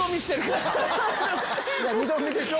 いや二度見でしょ？